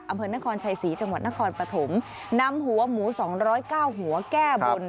อำเภอนครชัยศรีจังหวัดนครปฐมนำหัวหมูสองร้อยเก้าหัวแก้บน